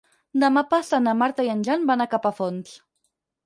Demà passat na Marta i en Jan van a Capafonts.